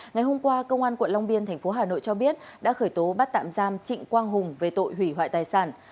ngày hôm qua công an quận long biên tp hà nội cho biết đã khởi tố bắt tạm giam trịnh quang hùng về tội hủy hoại tài sản